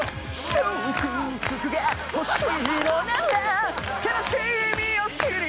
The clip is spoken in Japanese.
祝福が欲しいのなら悲しみを知り